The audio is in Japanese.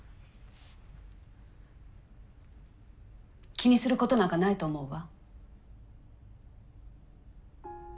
気にすることなんかないと思うわ。